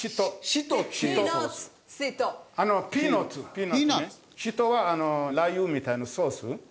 シトはラー油みたいなソース。